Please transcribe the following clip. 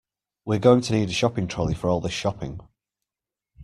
We're going to need a shopping trolley for all this shopping